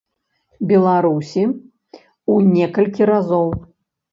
Беларусі, у некалькі разоў.